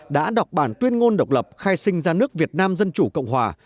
đã đọc bản tuyên ngôn độc lập khai sinh ra nước việt nam dân chủ cộng hòa